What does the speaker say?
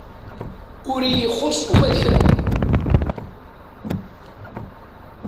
Ur iyi-ixus uma d kra.